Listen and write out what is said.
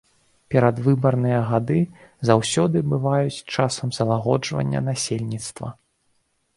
Перадвыбарныя гады заўсёды бываюць часам залагоджвання насельніцтва.